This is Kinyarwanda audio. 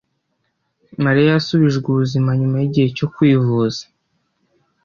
Mariya yasubijwe ubuzima nyuma yigihe cyo kwivuza